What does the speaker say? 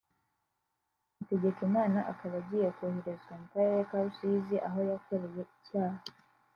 Hategekimana akaba agiye koherezwa mu karere ka Rusizi aho yakoreye icyaha